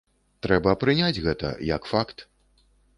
Трэба прыняць гэта, як факт.